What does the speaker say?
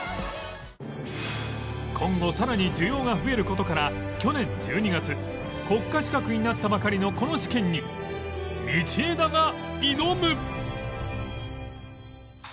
今後さらに需要が増える事から去年１２月国家資格になったばかりのこの試験に道枝が挑む！